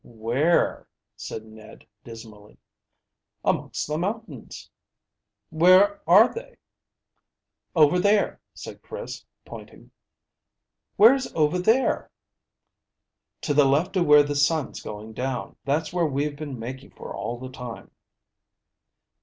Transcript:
"Where?" said Ned dismally. "Amongst the mountains." "Where are they?" "Over there," said Chris, pointing. "Where's over there?" "To the left of where the sun's going down. That's where we've been making for all the time."